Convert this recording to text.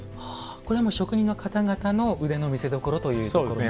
これも職人の方々の腕の見せどころそうですね。